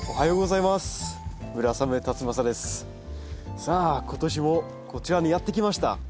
さあ今年もこちらにやって来ました。